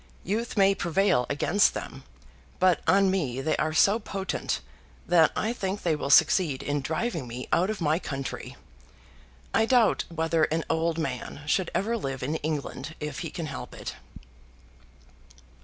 Youth may prevail against them; but on me they are so potent that I think they will succeed in driving me out of my country. I doubt whether an old man should ever live in England if he can help it."